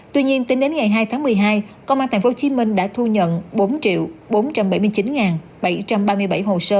tuy nhiên tính đến ngày hai tháng một mươi hai công an tp hcm đã thu nhận bốn bốn trăm bảy mươi chín bảy trăm ba mươi bảy hồ sơ